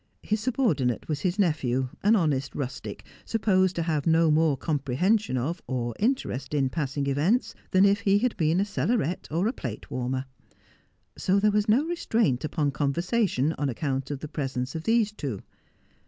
His subordinate was his nephew, an honest rustic, sup posed to have no more comprehension of, or interest in, passing events than if he had been a cellaret or a plate warmer. So there was no restraint upon conversation on account of the pre sence of these two.